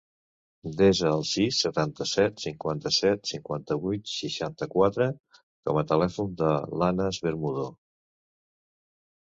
Desa el sis, setanta-set, cinquanta-set, cinquanta-vuit, seixanta-quatre com a telèfon de l'Anas Bermudo.